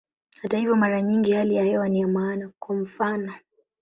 Hata hivyo, mara nyingi hali ya hewa ni ya maana, kwa mfano.